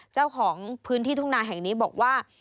เจ้าของพื้นที่ทุ่งนาแห่งนี้บอกว่า